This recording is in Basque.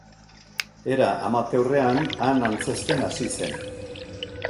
Era amateurrean han antzezten hasi zen.